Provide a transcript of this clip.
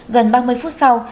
gần ba mươi phút sau